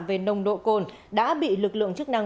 về nồng độ cồn đã bị lực lượng chức năng